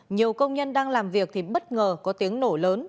nhiều công nhân đang làm việc thì bất ngờ có tiếng nổ lớn